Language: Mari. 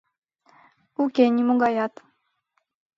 — Уке нимогаят.